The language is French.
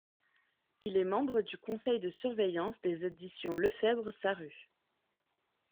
Il est membre du conseil de surveillance des Éditions Lefebvre Sarrut.